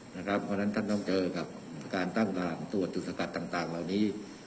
เพราะฉะนั้นท่านต้องเจอกับการตั้งด่านตรวจจุดสกัดต่างเหล่านี้